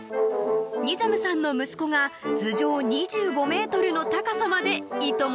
［ニザムさんの息子が頭上２５ｍの高さまでいとも